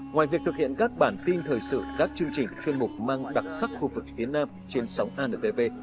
ngoài việc thực hiện các bản tin thời sự các chương trình chuyên mục mang đặc sắc khu vực phía nam trên sóng antv